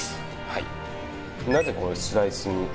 はいなぜスライスに？